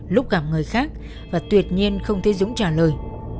lúc gặp người khác và tuyệt nhiên không thấy dũng trả lời